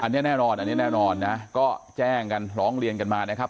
อันนี้แน่นอนนะใจ้งกันร้องเรียนกันมานะครับ